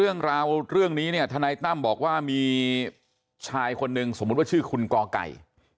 คือเรื่องนี้ธนายตั้มบอกว่ามีชายคนนึงสมมติว่าชื่อคุณกไก่